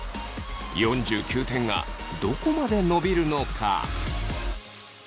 ４９点がどこまで伸びるのか。